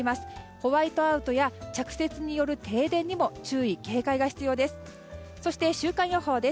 ホワイトアウトや着雪による停電にも注意・警戒が必要です。